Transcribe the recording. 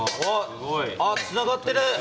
あっつながってる！